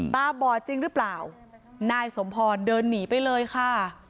บอดจริงหรือเปล่านายสมพรเดินหนีไปเลยค่ะ